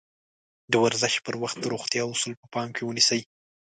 د ورزش پر وخت د روغتيا اَصول په پام کې ونيسئ.